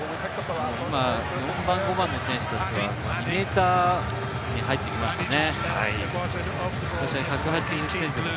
４番、５番の選手たちはメーターに入ってきましたね。